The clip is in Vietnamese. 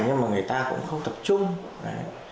nhưng mà người ta cũng không tập trung